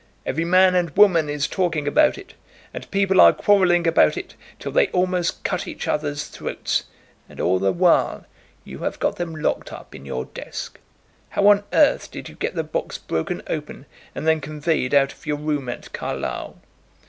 Every man and woman is talking about it, and people are quarrelling about it till they almost cut each other's throats; and all the while you have got them locked up in your desk! How on earth did you get the box broken open and then conveyed out of your room at Carlisle?"